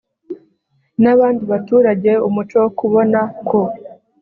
n abandi baturage umuco wo kubona ko